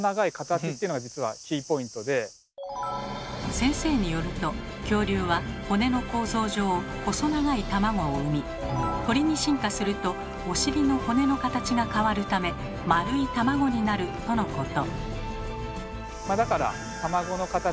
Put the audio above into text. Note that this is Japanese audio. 先生によると恐竜は骨の構造上細長い卵を産み鳥に進化するとお尻の骨の形が変わるため丸い卵になるとのこと。